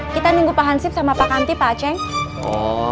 kita nunggu pak hansip sama pak kanti berdua aja ya